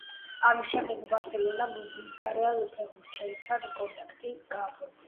ამის შემდეგ „ბარსელონამ“ ბულგარელ ფეხბურთელთან კონტრაქტი გააფორმა.